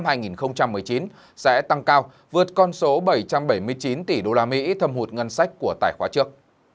năm hai nghìn một mươi chín sẽ tăng cao vượt con số bảy trăm bảy mươi chín tỷ usd thâm hụt ngân sách của tài khoá trước